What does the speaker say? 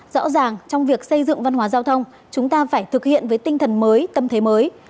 rõ ràng trong việc xây dựng văn hóa giao thông chúng ta phải thực hiện với tinh thần mới tâm thế mới